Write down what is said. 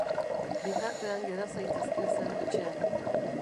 Bitartean gera zaitezke zeu etxean.